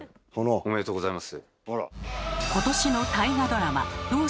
おめでとうございます。